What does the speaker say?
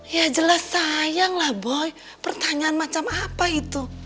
ya jelas sayang lah boy pertanyaan macam apa itu